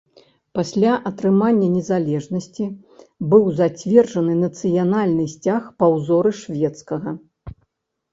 Пасля атрымання незалежнасці быў зацверджаны нацыянальны сцяг па ўзоры шведскага.